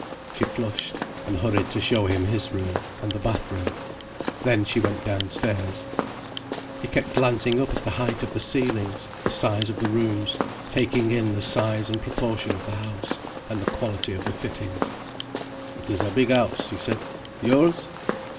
She flushed, and hurried to show him his room, and the bath room. Then she went downstairs. He kept glancing up at the height of the ceilings, the size of the rooms, taking in the size and proportion of the house, and the quality of the fittings. "It is a big house," he said. "Yours?"